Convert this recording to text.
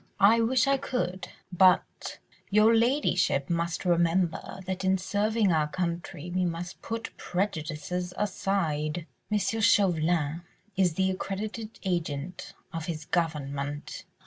"I wish I could ... but your ladyship must remember that in serving our country we must put prejudices aside. M. Chauvelin is the accredited agent of his Government